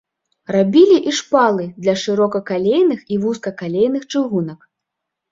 Рабілі і шпалы для шырокакалейных і вузкакалейных чыгунак.